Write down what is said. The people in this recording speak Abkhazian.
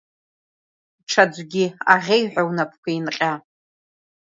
Ҽаӡәгьы аӷьеҩҳәа унапқәа еинҟьа.